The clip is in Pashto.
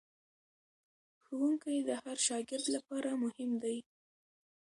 ښوونکی د هر شاګرد لپاره مهم دی.